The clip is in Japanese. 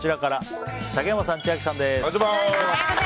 竹山さん、千秋さんです。